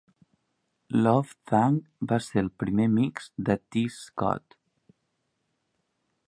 Love Thang va ser el primer mix de Tee Scott.